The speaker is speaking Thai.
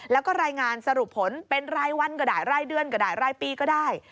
แล้วก็รายงานสรุปผลเป็นรายวันก็ได้รายเดือนก็ได้รายปีก็ได้